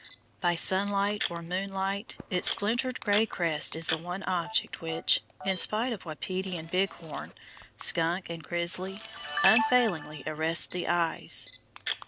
By sunlight or moonlight its splintered grey crest is the one object which, in spite of wapiti and bighorn, skunk and grizzly, unfailingly arrests the eyes.